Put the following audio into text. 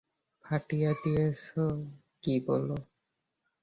ফাটিয়ে দিয়েছি, কী বলো?